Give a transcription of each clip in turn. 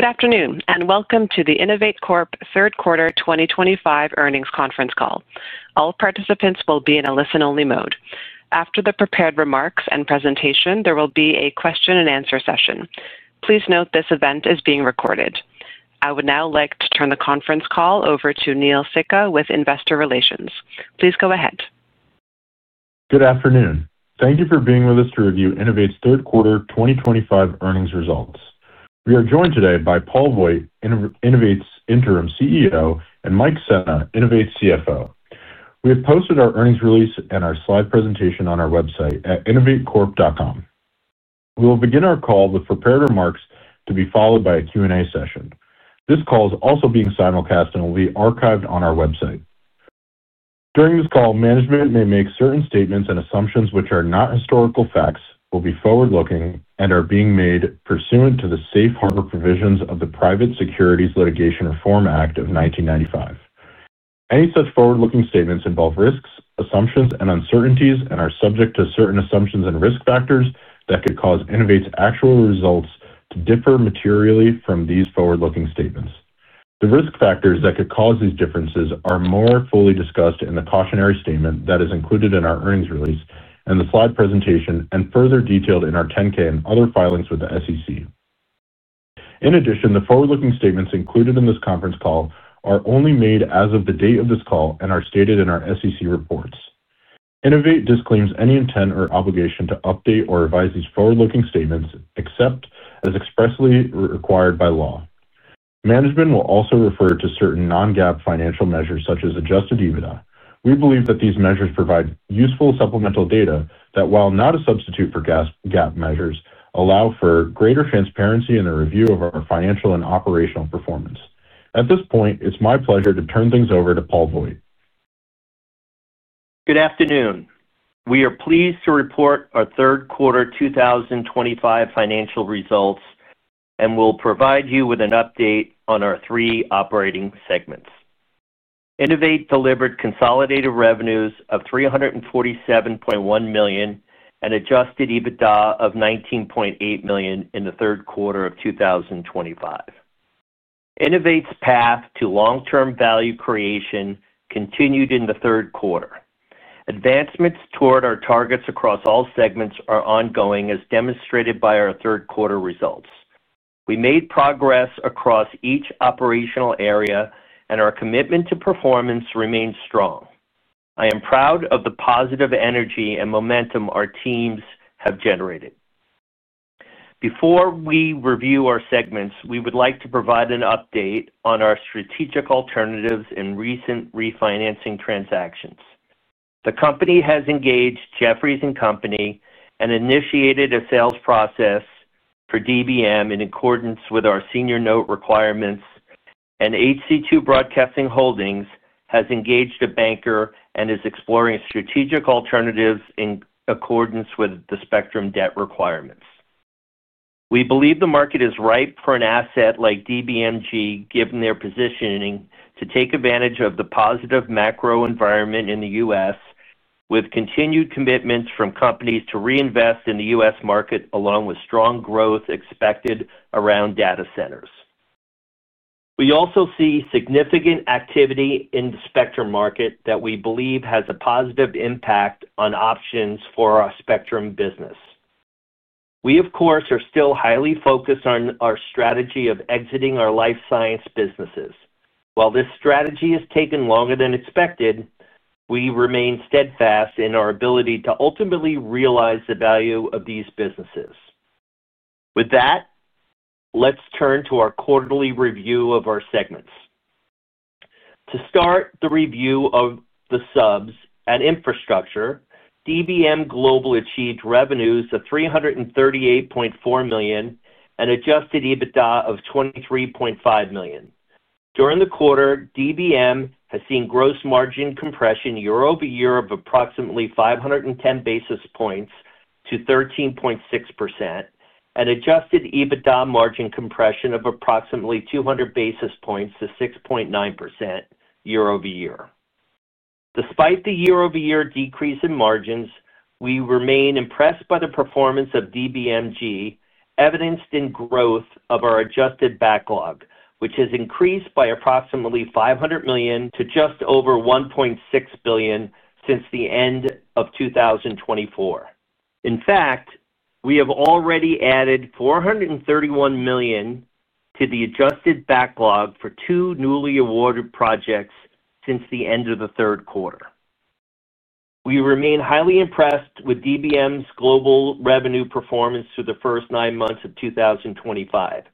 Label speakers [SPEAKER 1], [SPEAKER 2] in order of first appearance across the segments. [SPEAKER 1] Good afternoon and welcome to the INNOVATE Corp third quarter 2025 earnings conference call. All participants will be in a listen-only mode. After the prepared remarks and presentation, there will be a question-and-answer session. Please note this event is being recorded. I would now like to turn the conference call over to Neil Sikka with Investor Relations. Please go ahead.
[SPEAKER 2] Good afternoon. Thank you for being with us to review INNOVATE's third quarter 2025 earnings results. We are joined today by Paul Voight, INNOVATE's interim CEO, and Mike Sena, INNOVATE's CFO. We have posted our earnings release and our slide presentation on our website at innovatecorp.com. We will begin our call with prepared remarks to be followed by a Q&A session. This call is also being simulcast and will be archived on our website. During this call, management may make certain statements and assumptions which are not historical facts, will be forward-looking, and are being made pursuant to the safe harbor provisions of the Private Securities Litigation Reform Act of 1995. Any such forward-looking statements involve risks, assumptions, and uncertainties, and are subject to certain assumptions and risk factors that could cause INNOVATE's actual results to differ materially from these forward-looking statements. The risk factors that could cause these differences are more fully discussed in the cautionary statement that is included in our earnings release and the slide presentation, and further detailed in our 10-K and other filings with the SEC. In addition, the forward-looking statements included in this conference call are only made as of the date of this call and are stated in our SEC reports. INNOVATE disclaims any intent or obligation to update or revise these forward-looking statements except as expressly required by law. Management will also refer to certain non-GAAP financial measures such as adjusted EBITDA. We believe that these measures provide useful supplemental data that, while not a substitute for GAAP measures, allow for greater transparency in the review of our financial and operational performance. At this point, it's my pleasure to turn things over to Paul Voight.
[SPEAKER 3] Good afternoon. We are pleased to report our third quarter 2025 financial results and will provide you with an update on our three operating segments. INNOVATE delivered consolidated revenues of 347.1 million and adjusted EBITDA of 19.8 million in the third quarter of 2025. INNOVATE's path to long-term value creation continued in the third quarter. Advancements toward our targets across all segments are ongoing as demonstrated by our third quarter results. We made progress across each operational area, and our commitment to performance remains strong. I am proud of the positive energy and momentum our teams have generated. Before we review our segments, we would like to provide an update on our strategic alternatives and recent refinancing transactions. The company has engaged Jefferies & Company and initiated a sales process for DBM in accordance with our senior note requirements, and HC2 Broadcasting Holdings has engaged a banker and is exploring strategic alternatives in accordance with the spectrum debt requirements. We believe the market is ripe for an asset like DBM Global, given their positioning, to take advantage of the positive macro environment in the U.S., with continued commitments from companies to reinvest in the U.S. market, along with strong growth expected around data centers. We also see significant activity in the spectrum market that we believe has a positive impact on options for our spectrum business. We, of course, are still highly focused on our strategy of exiting our life science businesses. While this strategy has taken longer than expected, we remain steadfast in our ability to ultimately realize the value of these businesses. With that, let's turn to our quarterly review of our segments. To start the review of the subs and infrastructure, DBM Global achieved revenues of 338.4 million and adjusted EBITDA of 23.5 million. During the quarter, DBM has seen gross margin compression year-over-year of approximately 510 basis points to 13.6% and adjusted EBITDA margin compression of approximately 200 basis points to 6.9% year-over-year. Despite the year-over-year decrease in margins, we remain impressed by the performance of DBM Global, evidenced in growth of our adjusted backlog, which has increased by approximately 500 million to just over 1.6 billion since the end of 2024. In fact, we have already added 431 million to the adjusted backlog for two newly awarded projects since the end of the third quarter. We remain highly impressed with DBM Global's revenue performance through the first nine months of 2025.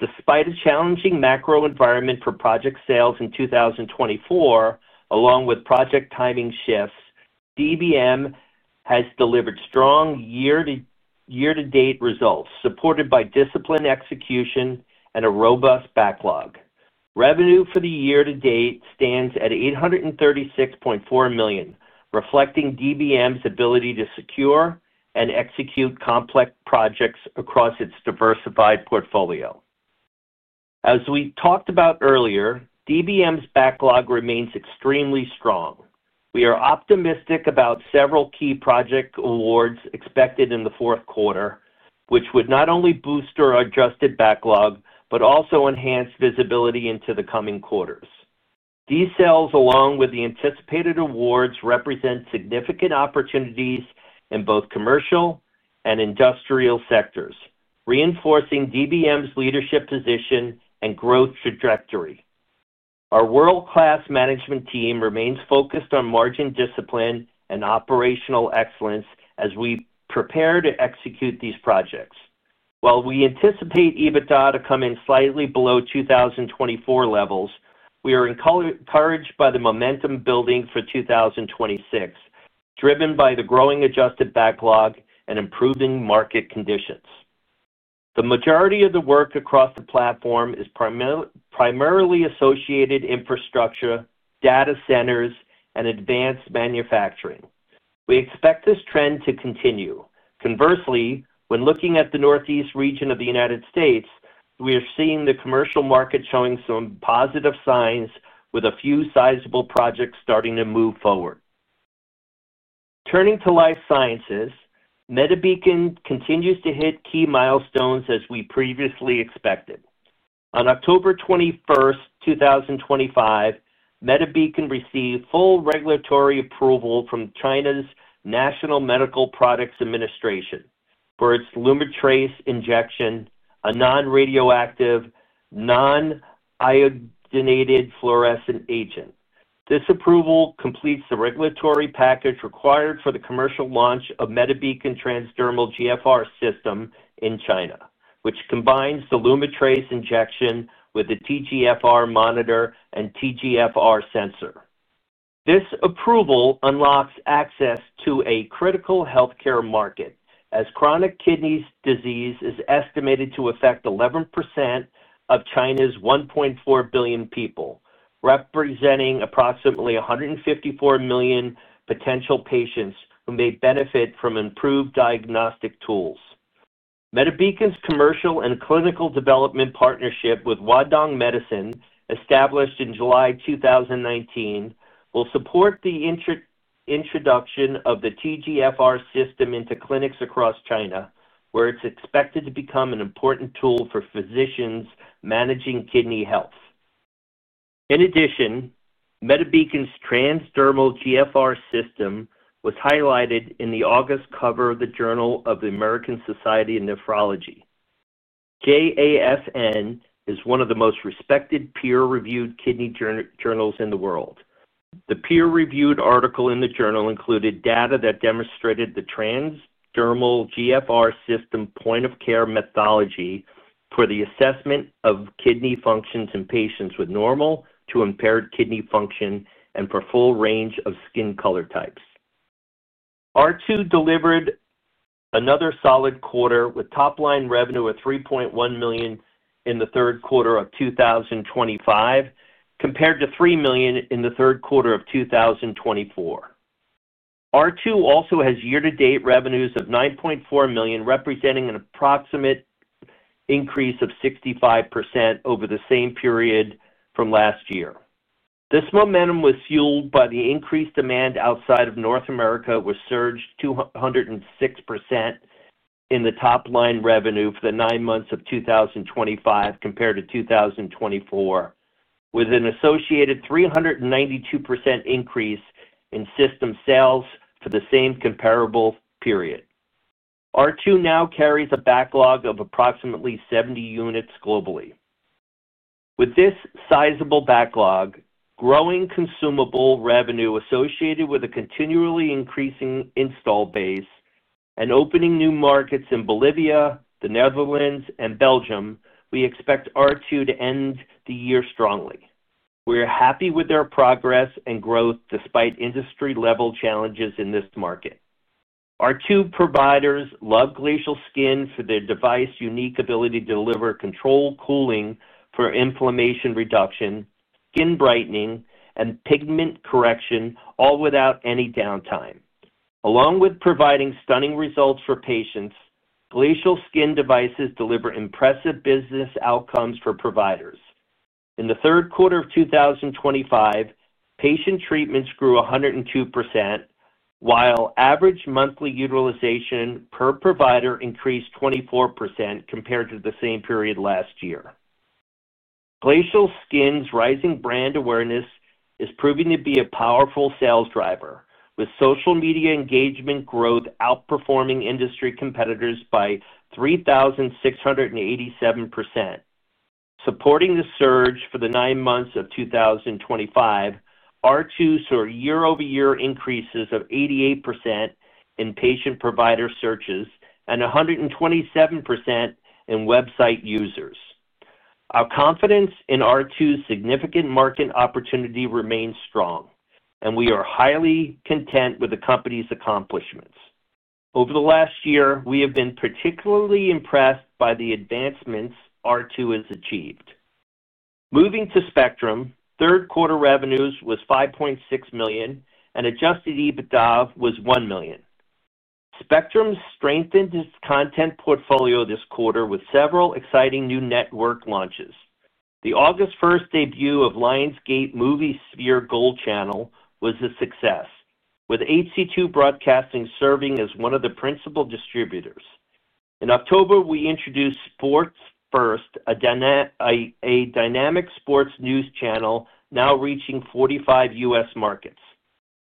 [SPEAKER 3] Despite a challenging macro environment for project sales in 2024, along with project timing shifts, DBM has delivered strong year-to-date results supported by disciplined execution and a robust backlog. Revenue for the year-to-date stands at 836.4 million, reflecting DBM's ability to secure and execute complex projects across its diversified portfolio. As we talked about earlier, DBM's backlog remains extremely strong. We are optimistic about several key project awards expected in the fourth quarter, which would not only boost our adjusted backlog but also enhance visibility into the coming quarters. These sales, along with the anticipated awards, represent significant opportunities in both commercial and industrial sectors, reinforcing DBM's leadership position and growth trajectory. Our world-class management team remains focused on margin discipline and operational excellence as we prepare to execute these projects. While we anticipate EBITDA to come in slightly below 2024 levels, we are encouraged by the momentum building for 2026, driven by the growing adjusted backlog and improving market conditions. The majority of the work across the platform is primarily associated with infrastructure, data centers, and advanced manufacturing. We expect this trend to continue. Conversely, when looking at the northeast region of the United States, we are seeing the commercial market showing some positive signs, with a few sizable projects starting to move forward. Turning to life sciences, MediBeacon continues to hit key milestones as we previously expected. On October 21, 2025, MediBeacon received full regulatory approval from China's National Medical Products Administration for its Lumitrace injection, a non-radioactive, non-iodinated fluorescent agent. This approval completes the regulatory package required for the commercial launch of MediBeacon Transdermal GFR system in China, which combines the Lumitrace injection with the TGFR monitor and TGFR sensor. This approval unlocks access to a critical healthcare market, as chronic kidney disease is estimated to affect 11% of China's 1.4 billion people, representing approximately 154 million potential patients who may benefit from improved diagnostic tools. MediBeacon's commercial and clinical development partnership with Wadong Medicine, established in July 2019, will support the introduction of the TGFR system into clinics across China, where it's expected to become an important tool for physicians managing kidney health. In addition, MediBeacon's Transdermal GFR system was highlighted in the August cover of the Journal of the American Society of Nephrology. JASN is one of the most respected peer-reviewed kidney journals in the world. The peer-reviewed article in the journal included data that demonstrated the Transdermal GFR system point-of-care methodology for the assessment of kidney functions in patients with normal to impaired kidney function and for full range of skin color types. R2 delivered another solid quarter with top-line revenue of 3.1 million in the third quarter of 2025, compared to 3 million in the third quarter of 2024. R2 also has year-to-date revenues of 9.4 million, representing an approximate increase of 65% over the same period from last year. This momentum was fueled by the increased demand outside of North America, which surged 206% in the top-line revenue for the nine months of 2025 compared to 2024, with an associated 392% increase in system sales for the same comparable period. R2 now carries a backlog of approximately 70 units globally. With this sizable backlog, growing consumable revenue associated with a continually increasing install base, and opening new markets in Bolivia, the Netherlands, and Belgium, we expect R2 to end the year strongly. We are happy with their progress and growth despite industry-level challenges in this market. R2 providers love Glacial Skin for their device's unique ability to deliver controlled cooling for inflammation reduction, skin brightening, and pigment correction, all without any downtime. Along with providing stunning results for patients, Glacial Skin devices deliver impressive business outcomes for providers. In the third quarter of 2025, patient treatments grew 102%, while average monthly utilization per provider increased 24% compared to the same period last year. Glacial Skin's rising brand awareness is proving to be a powerful sales driver, with social media engagement growth outperforming industry competitors by 3,687%. Supporting the surge for the nine months of 2025, R2 saw year-over-year increases of 88% in patient-provider searches and 127% in website users. Our confidence in R2's significant market opportunity remains strong, and we are highly content with the company's accomplishments. Over the last year, we have been particularly impressed by the advancements R2 has achieved. Moving to Spectrum, third quarter revenues were 5.6 million, and adjusted EBITDA was 1 million. Spectrum strengthened its content portfolio this quarter with several exciting new network launches. The August 1 debut of Lionsgate Moviesphere Gold Channel was a success, with HC2 Broadcasting serving as one of the principal distributors. In October, we introduced Sports First, a dynamic sports news channel now reaching 45 US markets.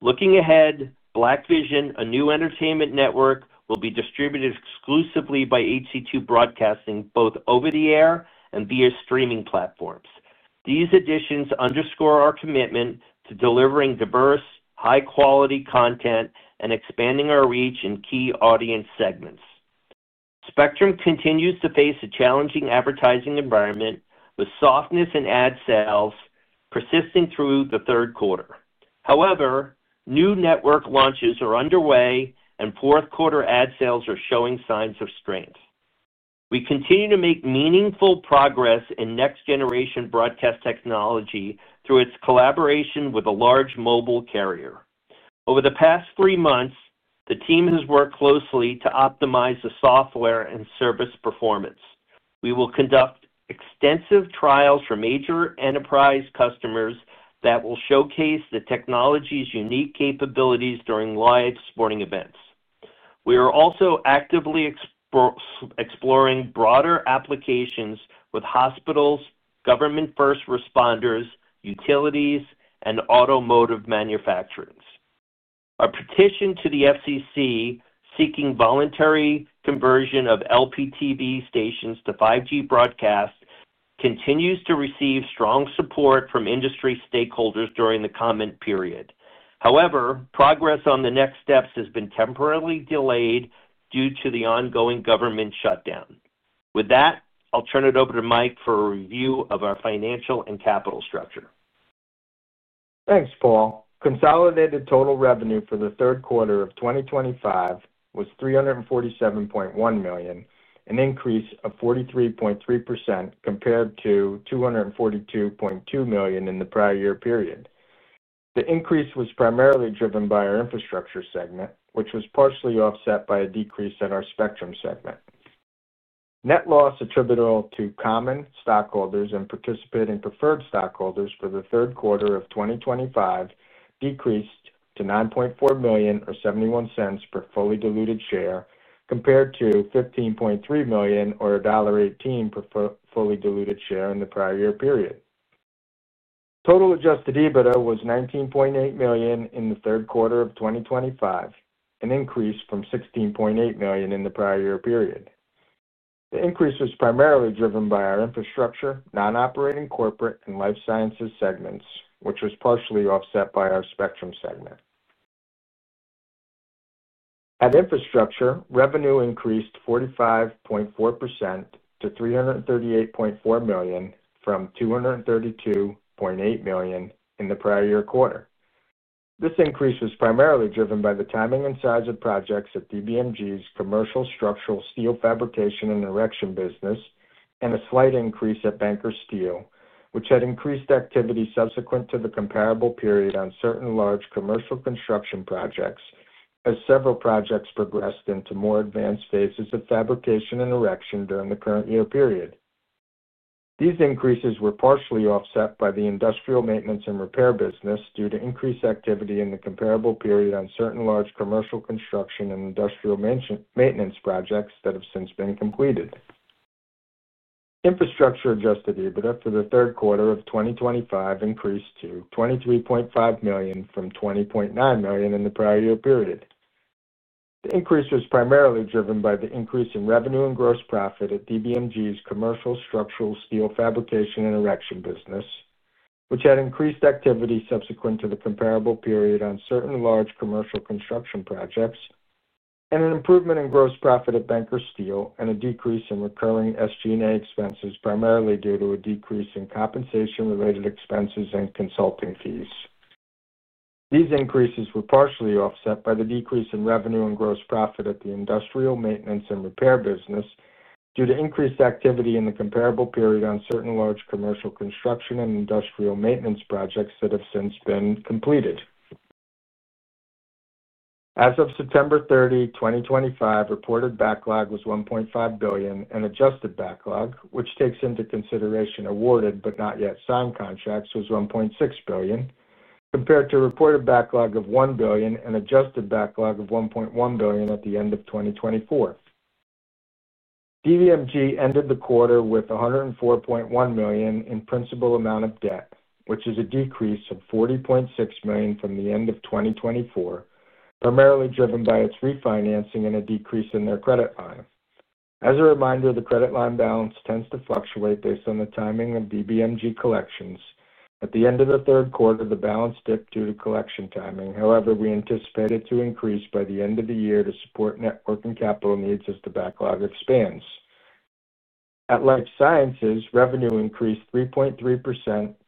[SPEAKER 3] Looking ahead, Black Vision, a new entertainment network, will be distributed exclusively by HC2 Broadcasting both over the air and via streaming platforms. These additions underscore our commitment to delivering diverse, high-quality content and expanding our reach in key audience segments. Spectrum continues to face a challenging advertising environment, with softness in ad sales persisting through the third quarter. However, new network launches are underway, and fourth quarter ad sales are showing signs of strength. We continue to make meaningful progress in next-generation broadcast technology through its collaboration with a large mobile carrier. Over the past three months, the team has worked closely to optimize the software and service performance. We will conduct extensive trials for major enterprise customers that will showcase the technology's unique capabilities during live sporting events. We are also actively exploring broader applications with hospitals, government-first responders, utilities, and automotive manufacturers. Our petition to the FCC seeking voluntary conversion of LPTV stations to 5G broadcast continues to receive strong support from industry stakeholders during the comment period. However, progress on the next steps has been temporarily delayed due to the ongoing government shutdown. With that, I'll turn it over to Mike for a review of our financial and capital structure. Thanks, Paul. Consolidated total revenue for the third quarter of 2025 was 347.1 million, an increase of 43.3% compared to 242.2 million in the prior year period. The increase was primarily driven by our infrastructure segment, which was partially offset by a decrease in our spectrum segment. Net loss attributable to common stockholders and participating preferred stockholders for the third quarter of 2025 decreased to 9.4 million, or 0.71 per fully diluted share, compared to 15.3 million, or $18 per fully diluted share in the prior year period. Total adjusted EBITDA was 19.8 million in the third quarter of 2025, an increase from 16.8 million in the prior year period. The increase was primarily driven by our infrastructure, non-operating corporate, and life sciences segments, which was partially offset by our spectrum segment. At infrastructure, revenue increased 45.4% to $338.4 million from $232.8 million in the prior year quarter. This increase was primarily driven by the timing and size of projects at DBM Global's commercial structural steel fabrication and erection business and a slight increase at Banker Steel, which had increased activity subsequent to the comparable period on certain large commercial construction projects as several projects progressed into more advanced phases of fabrication and erection during the current year period. These increases were partially offset by the industrial maintenance and repair business due to increased activity in the comparable period on certain large commercial construction and industrial maintenance projects that have since been completed. Infrastructure adjusted EBITDA for the third quarter of 2025 increased to 23.5 million from 20.9 million in the prior year period. The increase was primarily driven by the increase in revenue and gross profit at DBM Global's commercial structural steel fabrication and erection business, which had increased activity subsequent to the comparable period on certain large commercial construction projects, and an improvement in gross profit at Banker Steel and a decrease in recurring SG&A expenses primarily due to a decrease in compensation-related expenses and consulting fees. These increases were partially offset by the decrease in revenue and gross profit at the industrial maintenance and repair business due to increased activity in the comparable period on certain large commercial construction and industrial maintenance projects that have since been completed. As of September 30, 2025, reported backlog was 1.5 billion, and adjusted backlog, which takes into consideration awarded but not yet signed contracts, was 1.6 billion, compared to reported backlog of 1 billion and adjusted backlog of 1.1 billion at the end of 2024. DBM Global ended the quarter with 104.1 million in principal amount of debt, which is a decrease of 40.6 million from the end of 2024, primarily driven by its refinancing and a decrease in their credit line. As a reminder, the credit line balance tends to fluctuate based on the timing of DBM Global collections. At the end of the third quarter, the balance dipped due to collection timing. However, we anticipate it to increase by the end of the year to support network and capital needs as the backlog expands. At life sciences, revenue increased 3.3%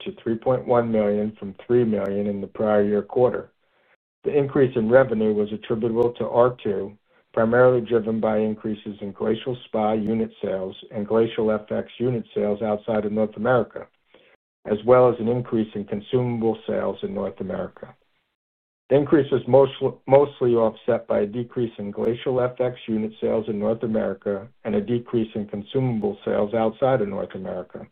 [SPEAKER 3] to 3.1 million from 3 million in the prior year quarter. The increase in revenue was attributable to R2, primarily driven by increases in Glacial Spa unit sales and Glacial FX unit sales outside of North America, as well as an increase in consumable sales in North America. The increase was mostly offset by a decrease in Glacial FX unit sales in North America and a decrease in consumable sales outside of North America.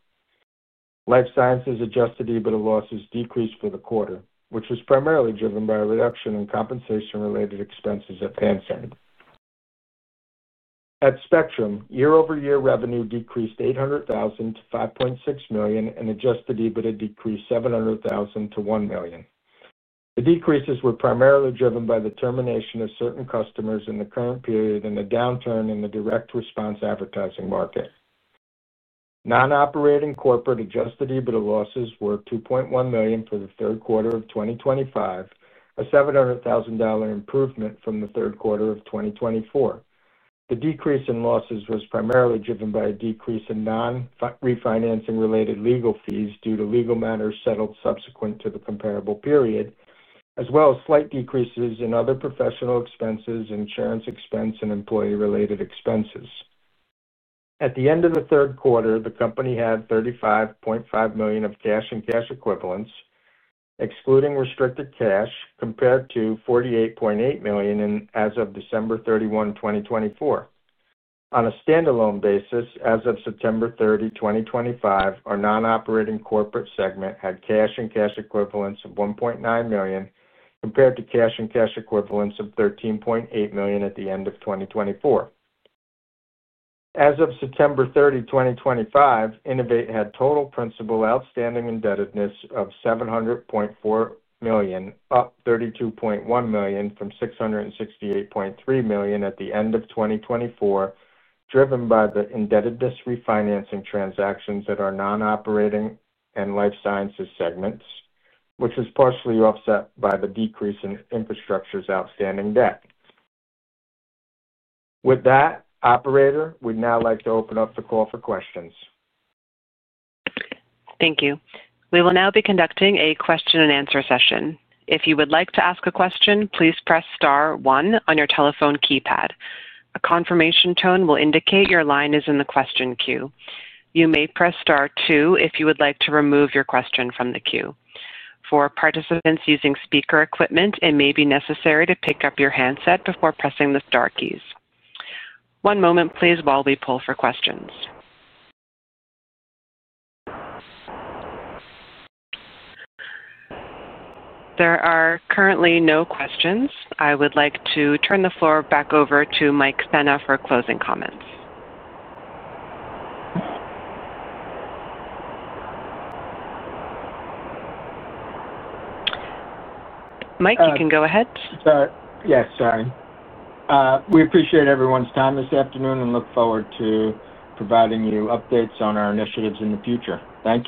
[SPEAKER 3] Life sciences adjusted EBITDA losses decreased for the quarter, which was primarily driven by a reduction in compensation-related expenses at Fansone. At Spectrum, year-over-year revenue decreased 800,000 to 5.6 million, and adjusted EBITDA decreased 700,000 to 1 million. The decreases were primarily driven by the termination of certain customers in the current period and a downturn in the direct response advertising market. Non-operating corporate adjusted EBITDA losses were 2.1 million for the third quarter of 2025, a 700,000 improvement from the third quarter of 2024. The decrease in losses was primarily driven by a decrease in non-refinancing-related legal fees due to legal matters settled subsequent to the comparable period, as well as slight decreases in other professional expenses, insurance expense, and employee-related expenses. At the end of the third quarter, the company had 35.5 million of cash and cash equivalents, excluding restricted cash, compared to 48.8 million as of December 31, 2024. On a standalone basis, as of September 30, 2025, our non-operating corporate segment had cash and cash equivalents of 1.9 million, compared to cash and cash equivalents of 13.8 million at the end of 2024. As of September 30, 2025, INNOVATE had total principal outstanding indebtedness of 700.4 million, up 32.1 million from 668.3 million at the end of 2024, driven by the indebtedness refinancing transactions at our non-operating and life sciences segments, which was partially offset by the decrease in infrastructure's outstanding debt. With that, Operator, we'd now like to open up the call for questions.
[SPEAKER 1] Thank you. We will now be conducting a question-and-answer session. If you would like to ask a question, please press Star one on your telephone keypad. A confirmation tone will indicate your line is in the question queue. You may press Star two if you would like to remove your question from the queue. For participants using speaker equipment, it may be necessary to pick up your handset before pressing the Star keys. One moment, please, while we pull for questions. There are currently no questions. I would like to turn the floor back over to Mike Sena for closing comments. Mike, you can go ahead. Yes, sorry. We appreciate everyone's time this afternoon and look forward to providing you updates on our initiatives in the future. Thanks.